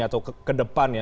atau ke depan ya